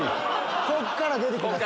こっから出て来ます。